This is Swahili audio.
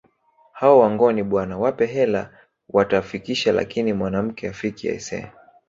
Hao Wangoni bwana wape hela watafikisha lakini mwanamke hafiki aisee